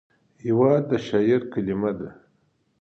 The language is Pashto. هېواد د شاعر کلمې دي.